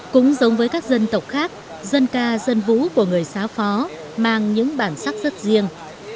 cũng giống với các dân tộc khác dân ca dân vũ của người xáo phó mang những bản sắc rất riêng